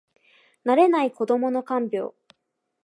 慣れない子どもの看病